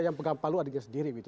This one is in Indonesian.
yang pegang palu adiknya sendiri gitu